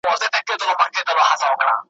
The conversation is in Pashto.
نوې لار نوی قانون سي نوي نوي بیرغونه `